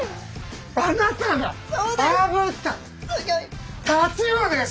あなたがあぶったタチウオです！